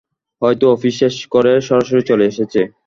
হয়তো অফিস শেষ করে সরাসরি চলে এসেছে।